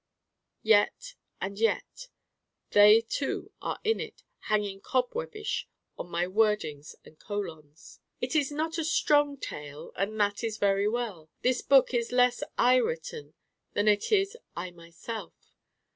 Yet and yet: they too are in it, hanging cobweb ish on my wordings and colons. It is not a strong tale, and that is very well. This book is less I written than it is I myself.